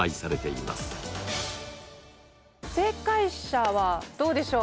正解者はどうでしょう。